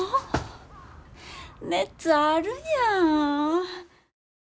熱あるやん。